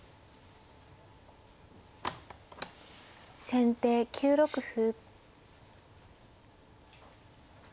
先手９六歩。